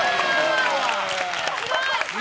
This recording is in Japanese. すごい！